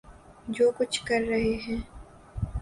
جو کچھ کر رہے ہیں۔